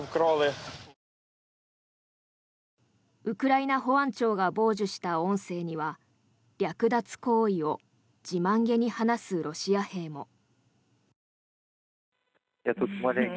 ウクライナ保安庁が傍受した音声には略奪行為を自慢げに話すロシア兵も。